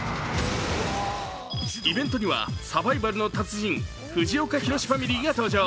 イベントにはサバイバルの達人、藤岡弘、ファミリーが登場。